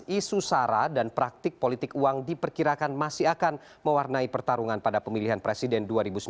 isu sara dan praktik politik uang diperkirakan masih akan mewarnai pertarungan pada pemilihan presiden dua ribu sembilan belas